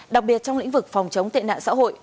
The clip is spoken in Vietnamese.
đặc biệt trong lĩnh vực phòng chống tệ nạn xã hội